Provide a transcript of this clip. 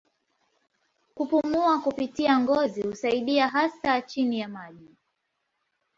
Kupumua kupitia ngozi husaidia hasa chini ya maji.